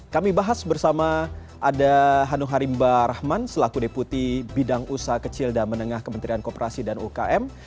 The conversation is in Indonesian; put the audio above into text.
kami bahas bersama ada hanu harimba rahman selaku deputi bidang usaha kecil dan menengah kementerian kooperasi dan ukm